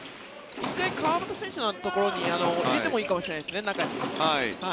１回川真田選手のところに中に入れてもいいかもしれないですね。